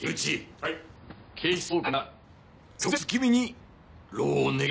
はい。